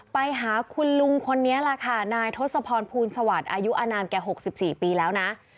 ไปหาคุณลุงคนนี้ล่ะค่ะนายทศพรภูลสวัสดิ์อายุอนามแก่๖๔ปีแล้วนะ